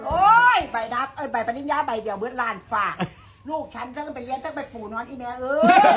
โอ้ยไปนับเอ่ยไปประนิมยาไปเดี๋ยวเบื้ดล่านฝากลูกฉันต้องไปเรียนต้องไปฝูนอนไอ้แม่อื้อ